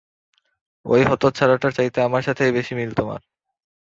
ওই হতচ্ছাড়াটার চাইতে আমার সাথেই বেশি মিল তোমার।